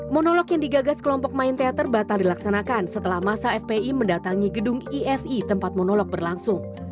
monolog yang digagas kelompok main teater batal dilaksanakan setelah masa fpi mendatangi gedung ifi tempat monolog berlangsung